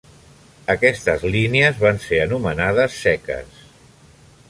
Aquestes línies van ser anomenades "ceques".